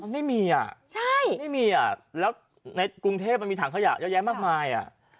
มันไม่มีอ่ะใช่ไม่มีอ่ะแล้วในกรุงเทพมันมีถังขยะเยอะแยะมากมายอ่ะ